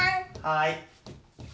はい。